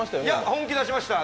本気出しました。